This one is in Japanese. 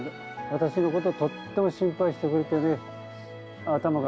私のことをとっても心配してくれてね。